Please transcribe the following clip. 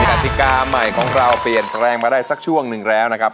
กติกาใหม่ของเราเปลี่ยนแปลงมาได้สักช่วงหนึ่งแล้วนะครับ